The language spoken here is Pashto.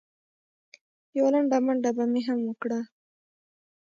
یوه لنډه منډه به مې هم وکړه.